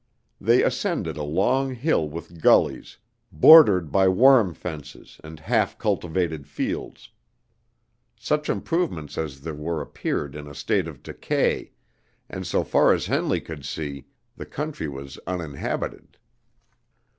They ascended a long hill with gullies, bordered by worm fences and half cultivated fields. Such improvements as there were appeared in a state of decay, and, so far as Henley could see, the country was uninhabited.